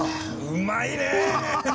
うまいねぇ！